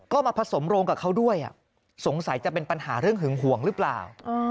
ก็มาผสมโรงกับเขาด้วยสงสัยจะเป็นปัญหาเรื่องหึงห่วงหรือเปล่า